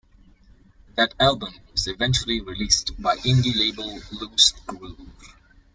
That album was eventually released by indie label Loose Groove.